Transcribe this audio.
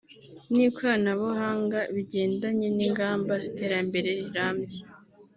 n’ikoranabuhanga bigendanye n’ingamba z’iterambere rirambye